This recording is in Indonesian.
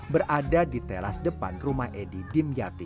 berada di teras depan rumah edi dimyati